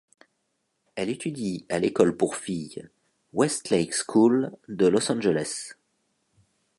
Elle étudie à l'école pour filles Westlake School de Los Angeles.